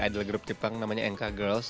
adalah grup jepang namanya nk girls